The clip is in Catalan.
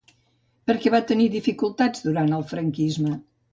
Per què va tenir dificultats durant el franquisme?